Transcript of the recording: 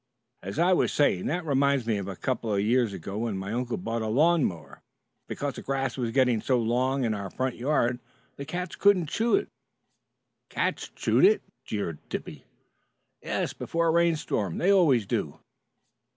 "As I was saying that reminds me of a couple of years ago when my uncle bought a lawn mower because the grass was getting so long in our front yard that the cats couldn't chew it " "Cats chew it?" jeered Dippy. "Yes, before a rainstorm. They always do."